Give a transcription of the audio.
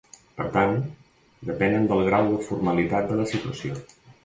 Per tant, depenen del grau de formalitat de la situació.